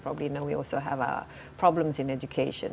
kita juga memiliki masalah dalam pendidikan